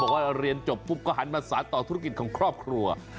ว่าเรียนจบปุ๊บก็หันมาสารต่อธุรกิจของครอบครัว